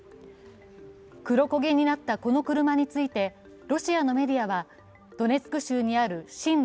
黒焦げになったこの車についてロシアのメディアはドネツク州にある親